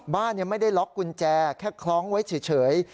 บ้านไม่ได้ล็อกกุญแจแค่คล้องไว้เฉย